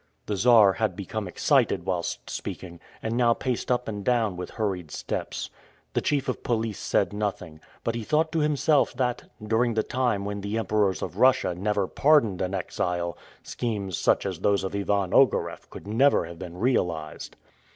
The Czar had become excited whilst speaking, and now paced up and down with hurried steps. The chief of police said nothing, but he thought to himself that, during the time when the emperors of Russia never pardoned an exile, schemes such as those of Ivan Ogareff could never have been realized.